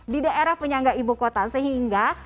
di daerah penyangga ibukota sehingga